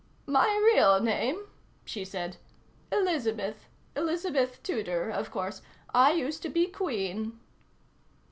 "My real name?" she said. "Elizabeth. Elizabeth Tudor, of course. I used to be Queen."